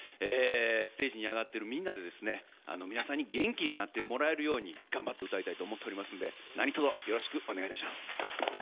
ステージに上がっているみんなで皆さんに元気になってもらえるように頑張って歌いたいと思っていますので何とぞよろしくお願いします。